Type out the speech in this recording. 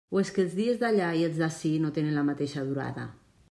O és que els dies d'allà i els d'ací no tenen la mateixa durada?